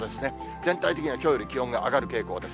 全体的にはきょうより気温が上がる傾向です。